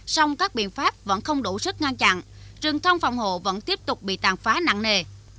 song các biện pháp vẫn không đủ sức ngăn chặn rừng thông phòng hộ vẫn tiếp tục bị tàn phá nặng nề